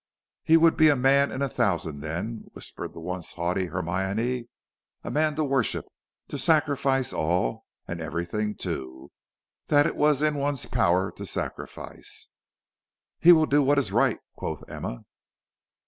"He would be a man in a thousand then," whispered the once haughty Hermione. "A man to worship, to sacrifice all and everything to, that it was in one's power to sacrifice." "He will do what is right," quoth Emma.